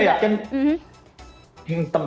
betul saya yakin